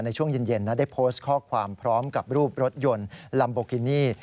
ในช่วงเย็นได้โพสต์ข้อความพร้อมกับรูปรถยนต์ลัมโบกินี่